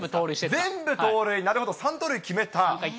全部盗塁、なるほど、３盗塁決めた。